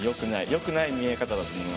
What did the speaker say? よくない見え方だと思います。